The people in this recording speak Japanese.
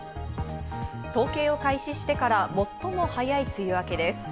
統計を開始してから最も早い梅雨明けです。